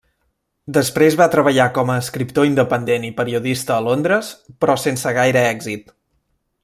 Després va treballar com a escriptor independent i periodista a Londres, però sense gaire èxit.